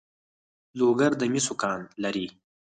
لوګر د مسو کان لري